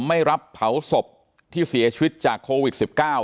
ไม่รับเผาศพที่เสียชีวิตจากโควิด๑๙